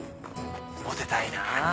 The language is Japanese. モテたいな。